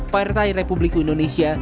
partai republik indonesia